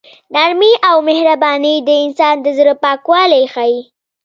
نرمي او مهرباني د انسان د زړه پاکوالی ښيي.